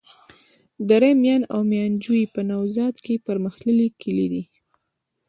دره میان او ميانجوی په نوزاد کي پرمختللي کلي دي.